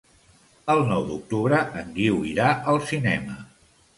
El nou d'octubre en Guiu irà al cinema.